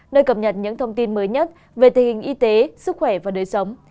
nơi cập nhật những thông tin mới nhất về tình hình y tế sức khỏe và đời sống